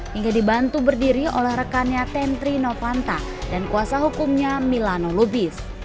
hingga dibantu berdiri oleh rekannya tentri novanta dan kuasa hukumnya milano lubis